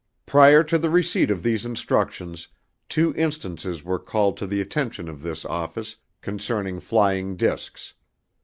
Prior to the receipt of these instructions, two instances were called to the attention of this office concerning flying discs.